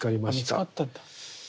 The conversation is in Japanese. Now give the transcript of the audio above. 見つかったんだ。